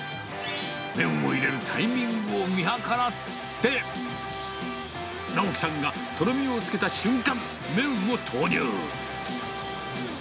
麺を入れるタイミングを見計らって、尚紀さんがとろみをつけた瞬間、麺を投入。